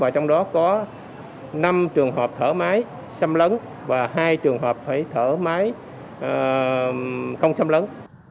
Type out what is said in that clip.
trong đó có năm trường hợp thở máy xâm lấn và hai trường hợp phải thở máy không xâm lấn